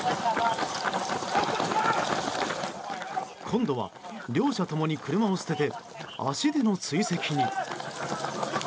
今度は、両者共に車を捨てて足での追跡に。